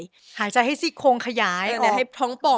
อเรนนี่หายใจให้ซิกโครงขยายให้ท้องป่อง